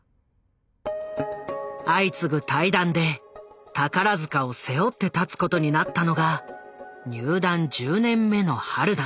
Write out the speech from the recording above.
相次ぐ退団で宝塚を背負って立つことになったのが入団１０年目の榛名。